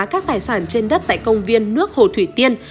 các tài sản trên đất tại công viên nước hồ thủy tiên